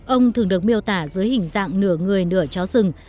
ông thường được miêu tả dưới hình dạng nửa người nửa chó rừng